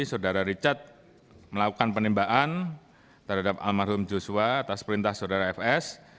saudara richard melakukan penembakan terhadap almarhum joshua atas perintah saudara fs